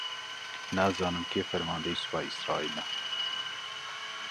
نازانم کێ فەرماندەی سوپای ئیسرائیلە؟